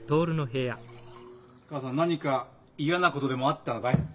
母さん何か嫌なことでもあったのかい？